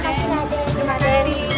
terima kasih raja